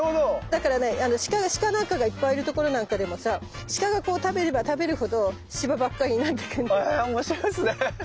だからねシカなんかがいっぱいいる所なんかでもさシカがこう食べれば食べるほどシバばっかになってくんだよ。へおもしろいですね。